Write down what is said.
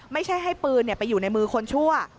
ไม่ใช่ให้ปืนไปอยู่ในมือคนชั่ว